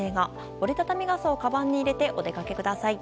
折り畳み傘をかばんに入れてお出かけください。